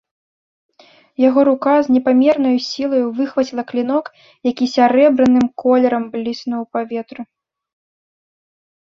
Яго рука з непамернаю сілаю выхваціла клінок, які сярэбраным колерам бліснуў у паветры.